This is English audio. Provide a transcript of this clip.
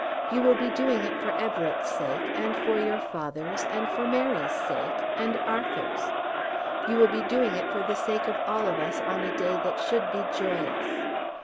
You will be doing it for Everett's sake, and for your father's, and for Mary's sake and Arthur's. You will be doing it for the sake of all of us on a day that should be joyous."